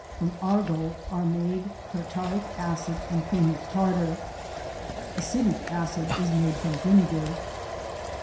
From Argol are made tartaric acid and cream of tartar. Acetic acid is made from vinegar.